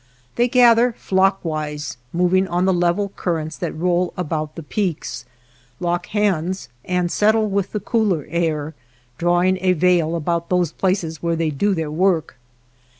They gather flock wise, moving on the level currents that roll about the peaks, lock hands and settle with the cooler air, draw ing a veil about those places where they do their work.